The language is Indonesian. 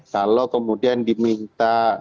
kalau kemudian diminta